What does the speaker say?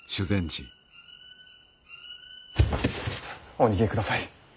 お逃げください。